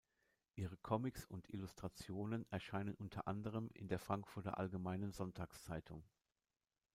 Ihre Comics und Illustrationen erscheinen unter anderem in der Frankfurter Allgemeinen Sonntagszeitung.